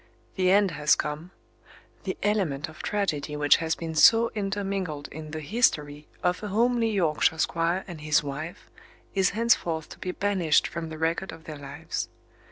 The end has come. The element of tragedy which has been so intermingled in the history of a homely Yorkshire squire and his wife is henceforth to be banished from the record of their lives.